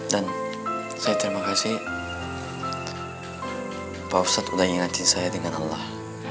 dan saya terima kasih pak ustadz sudah ingatin saya dengan allah